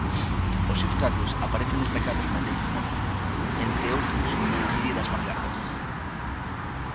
Os seus cadros aparecen destacados na Tate Modern, entre outros de decididas vangardas.